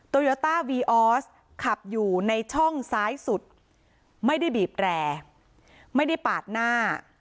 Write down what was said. โยต้าวีออสขับอยู่ในช่องซ้ายสุดไม่ได้บีบแรไม่ได้ปาดหน้า